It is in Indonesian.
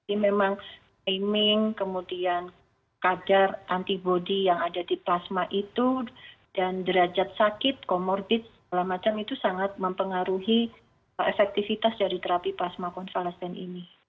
ini memang timing kemudian kadar antibody yang ada di plasma itu dan derajat sakit comorbid segala macam itu sangat mempengaruhi efektivitas dari terapi plasma konvalesen ini